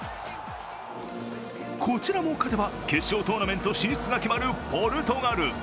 こちらも勝てば決勝トーナメント進出が決まるポルトガル。